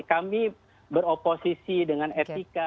kami beroposisi dengan etika